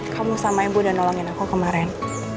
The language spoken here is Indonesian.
kamu sama ibu udah nolongin aku kemarin